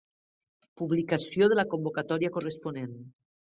Publicació de la convocatòria corresponent.